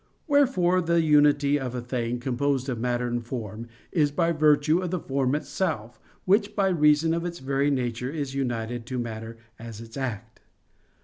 Wherefore the unity of a thing composed of matter and form, is by virtue of the form itself, which by reason of its very nature is united to matter as its act.